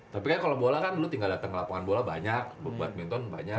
tapi kan kalau bola kan lu tinggal datang ke lapangan bola banyak badminton banyak